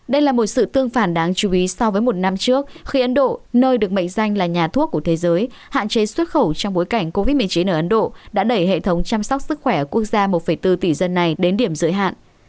đây là một sự tương phản đáng chú ý so với một năm trước khi ấn độ nơi được mệnh danh là nhà thuốc của thế giới hạn chế xuất khẩu trong bối cảnh covid một mươi chín ở ấn độ đã đẩy hệ thống chăm sóc sức khỏe ở quốc gia một bốn tỷ dân này đến điểm giới hạn